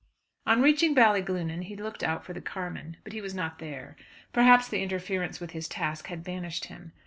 On reaching Ballyglunin he looked out for the carman, but he was not there. Perhaps the interference with his task had banished him.